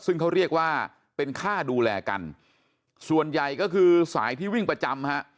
ซึ่งเขาเรียกว่าเป็นค่าดูแลกันส่วนใหญ่ก็คือสายที่วิ่งประจำฮะ